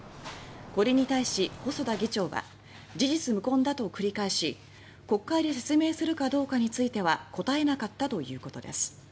これに対し、細田議長は事実無根だと繰り返し国会で説明するかどうかについては答えなかったということです。